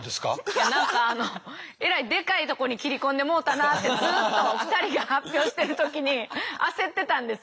いや何かあのえらいでかいとこに切り込んでもうたなってずっと２人が発表してる時に焦ってたんですよ。